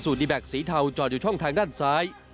อิสุสุดีแบกสีเทาจอดอยู่ช่องทางด้านซ้าย